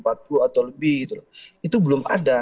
atau lebih itu belum ada